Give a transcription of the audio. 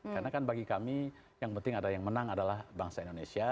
karena kan bagi kami yang penting ada yang menang adalah bangsa indonesia